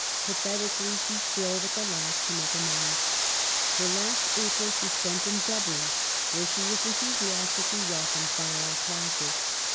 Pathetically she strove, at the last, to make amends. Her last April she spent in Dublin, where she was enthusiastically welcomed by all classes.